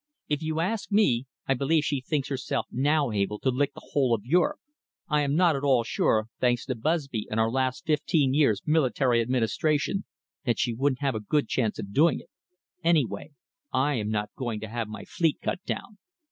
If you ask me, I believe she thinks herself now able to lick the whole of Europe. I am not at all sure, thanks to Busby and our last fifteen years' military administration, that she wouldn't have a good chance of doing it. Any way, I am not going to have my fleet cut down."